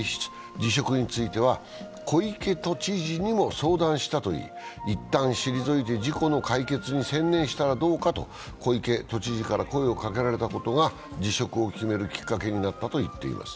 辞職については小池都知事にも相談したといい、いったん退いて、事故の解決に専念したらどうかと小池都知事から声をかけられたことが辞職を決めるきっかけになったと言っています。